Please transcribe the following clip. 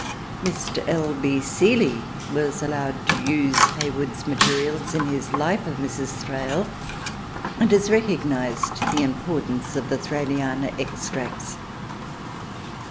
Mr. L. B. Seeley was allowed to use Hayward's materials in his Life of Mrs. Thrale^ and has recog nised the importance of the Thraliana extracts.